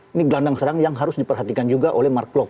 ini gelandang serang yang harus diperhatikan juga oleh mark klok